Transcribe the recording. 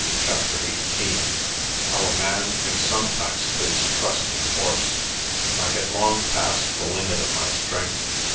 CHAPTER XVIII HOW A MAN MAY SOMETIMES PUT HIS TRUST IN A HORSE I HAD long passed the limit of my strength.